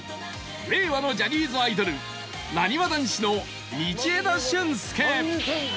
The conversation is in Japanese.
令和のジャニーズアイドルなにわ男子の道枝駿佑